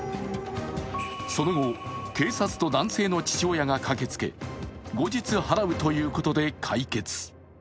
その後、警察と男性の父親が駆けつけ、後日払うということで解決。